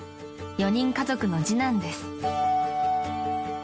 ［４人家族の次男です］